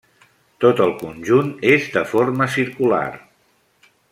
Tot el conjunt és de forma circular.